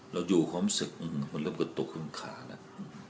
เราดูความรู้สึกมันเริ่มกระตุกขึ้นขาแล้ว